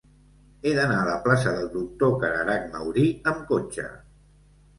He d'anar a la plaça del Doctor Cararach Mauri amb cotxe.